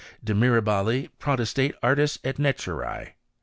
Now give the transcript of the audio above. De Mirabili Potestate Artis et Naturee.